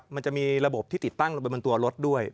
มันจะมีระบบที่ติดตั้งลงไปบนตัวรถด้วย